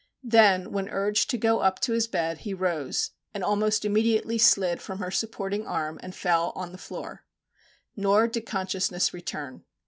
Then, when urged to go up to his bed, he rose, and, almost immediately, slid from her supporting arm, and fell on the floor. Nor did consciousness return.